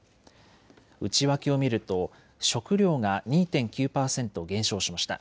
内訳を見ると食料が２．９％減少しました。